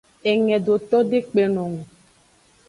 Engedoto de kpenno eng o.